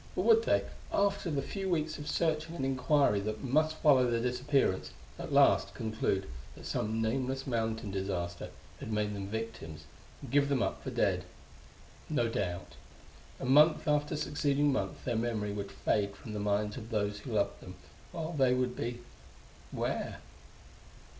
or would they, after the few weeks of searching and inquiry that must follow their disappearance, at last conclude that some nameless mountain disaster had made them victims, and give them up for dead? No doubt. And month after succeeding month their memory would fade from the minds of those who had loved them, while they would be where?...